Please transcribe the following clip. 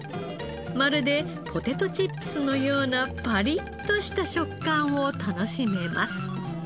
まるでポテトチップスのようなパリッとした食感を楽しめます。